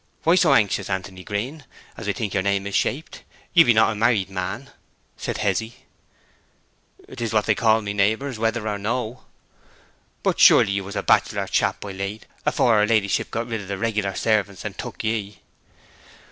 'Why so anxious, Anthony Green, as I think yer name is shaped? You be not a married man?' said Hezzy. ''Tis what they call me, neighbours, whether or no.' 'But surely you was a bachelor chap by late, afore her ladyship got rid of the regular servants and took ye?'